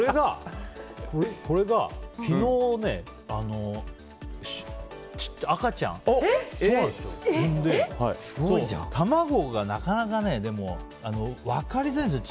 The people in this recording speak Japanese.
これが昨日、赤ちゃん産んで卵が、なかなか分かりづらいんですよ